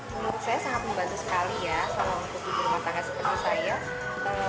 menurut saya sangat membantu sekali ya untuk ibu rumah tangga seperti saya